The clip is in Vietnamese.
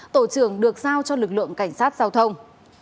tổ trưởng được giao cho lực lượng cảnh sát giao thông